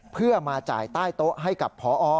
เพื่อมาจ่ายใต้โต๊ะให้กับพอ